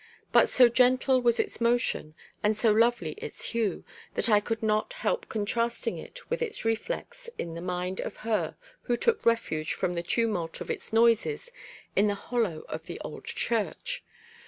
But so gentle was its motion, and so lovely its hue, that I could not help contrasting it with its reflex in the mind of her who took refuge from the tumult of its noises in the hollow of the old church.